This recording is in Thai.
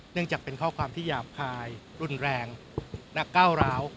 จากเป็นข้อความที่หยาบคายรุนแรงและก้าวร้าว